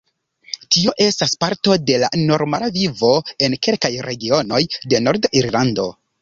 Tio estas parto de la normala vivo en kelkaj regionoj de Nord-Irlando.